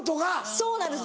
そうなんです。